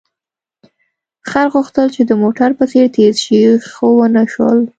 خر غوښتل چې د موټر په څېر تېز شي، خو ونه شول.